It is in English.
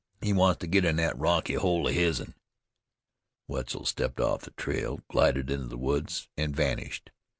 He wants to get in that rocky hole of his'n." Wetzel stepped off the trail, glided into the woods, and vanished.